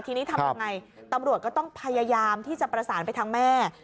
ทีนี้ทำยังไงตำรวจก็ต้องพยายามที่จะประสานไปทางแม่